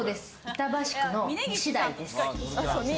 板橋区の西台です。